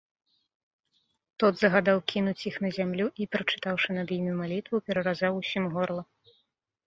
Тот загадаў кінуць іх на зямлю і, прачытаўшы над імі малітву, пераразаў усім горла.